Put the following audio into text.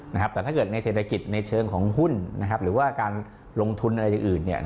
แต่ถ้าเกิดในเศรษฐกิจในเชิงของหุ้นนะครับหรือว่าการลงทุนอะไรอย่างอื่นเนี่ย